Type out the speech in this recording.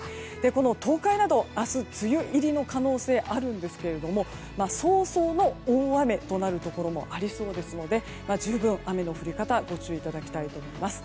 この東海など、明日梅雨入りの可能性があるんですけども早々の大雨となるところもありそうですので十分、雨の降り方ご注意いただきたいと思います。